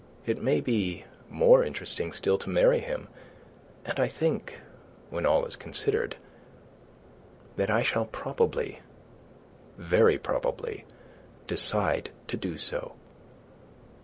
It may be more interesting still to marry him, and I think, when all is considered, that I shall probably very probably decide to do so."